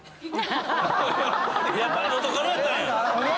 やっぱり元カノやったんや！